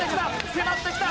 迫ってきた！